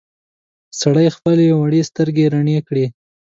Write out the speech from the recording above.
سړي خپلې وړې سترګې رڼې کړې.